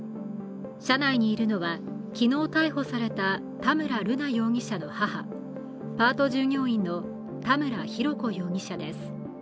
車内にいるのは昨日逮捕された田村瑠奈容疑者の母パート従業員の田村浩子容疑者です。